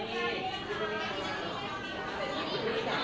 สวัสดีครับคุณผู้ชม